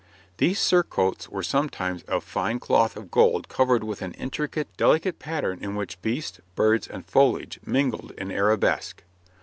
These surcoats were sometimes of fine cloth of gold covered with an intricate, delicate pattern in which beasts, birds, and foliage mingled in arabesque.